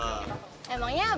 oh ketimbungan bang